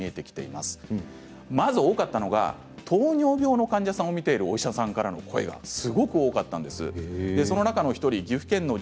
まず多かったのが糖尿病の患者さんを診ているお医者さんからの声です。